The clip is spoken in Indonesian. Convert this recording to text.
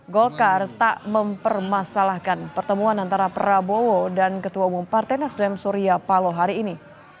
golkar tak mempermasalahkan pertemuan antara prabowo dan ketua umum partai nasdem surya paloh hari ini